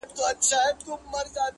له دې زړو نه ښې ډبري د صحرا وي,